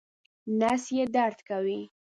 نس یې درد کوي